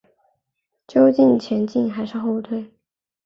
究竟前进还是后退？